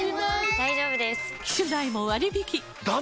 大丈夫です！